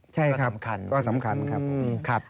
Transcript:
ใช่ครับก็สำคัญครับอืมครับอ้าวคุณ